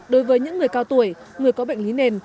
đối với những người cao tuổi người có bệnh lý nền